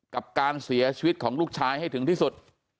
กับการเสียชีวิตของลูกชายให้ถึงที่สุด